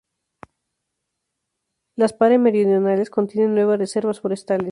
Las Pare Meridionales contienen nueve reservas forestales.